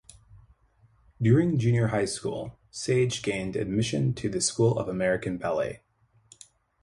During junior high school, Sage gained admission to the School of American Ballet.